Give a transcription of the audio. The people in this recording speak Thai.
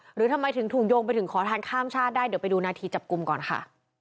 หรือทำไมถึงถูกโยงไปถึงขอทานข้ามชาติได้เดี๋ยวไปดูนาทีจับกลุ่มก่อนค่ะ